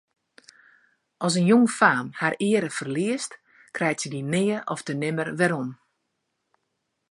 As in jongfaam har eare ferliest, krijt se dy nea ofte nimmer werom.